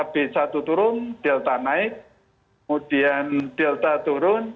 b satu turun delta naik kemudian delta turun